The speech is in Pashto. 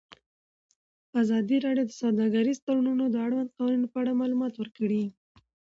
ازادي راډیو د سوداګریز تړونونه د اړونده قوانینو په اړه معلومات ورکړي.